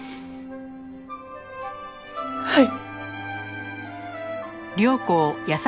はい！